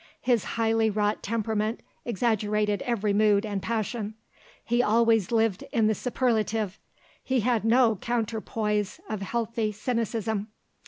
His highly wrought temperament exaggerated every mood and passion; he always lived in the superlative. He had no counterpoise of healthy cynicism.